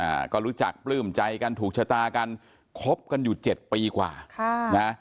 อ่าก็รู้จักปลื้มใจกันถูกชะตากันคบกันอยู่เจ็ดปีกว่าค่ะนะ